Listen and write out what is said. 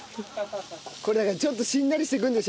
これちょっとしんなりしてくるんでしょ？